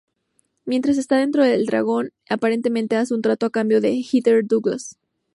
Mientras está dentro del dragón, aparentemente hace un trato a cambio de Heather Douglas.